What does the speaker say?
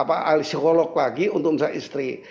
alisikolog lagi untuk misalnya istri